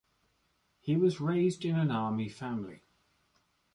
He was raised in an army family.